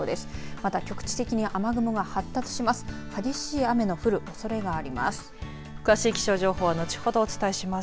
また局地的に雨雲が発達します。